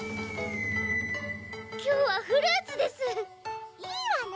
今日はフルーツですいいわね